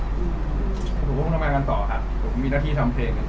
ประมูลทำอะไรต่อค่ะผมมีหน้าที่ทำเพลงต่อ